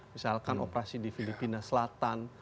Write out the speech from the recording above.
misalkan operasi di filipina selatan